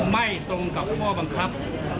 ไม่ตรงกับข้อบังคับ